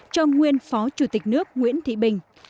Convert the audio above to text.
cho nguyên phó chủ tịch nước nguyễn thị bình